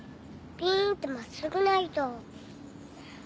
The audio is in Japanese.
ピーンってまっすぐな糸。